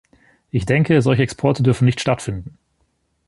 Ich denke, solche Exporte dürfen nicht stattfinden.